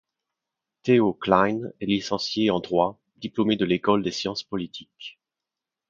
Théo Klein est licencié en droit, diplômé de l’école des Sciences politiques.